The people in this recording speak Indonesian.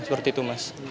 seperti itu mas